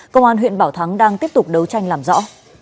công an huyện bảo thắng đang tiếp tục đấu tranh làm rõ